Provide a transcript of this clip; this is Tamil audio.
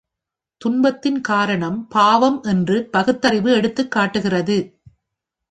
துன்பத்தின் காரணம் பாவம் என்று பகுத்தறிவு எடுத்துக் காட்டுகிறது.